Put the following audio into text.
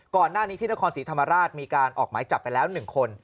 ก่อนหน้านี้ที่นครศรีธรรมราชมีการออกหมายจับไปแล้ว๑คน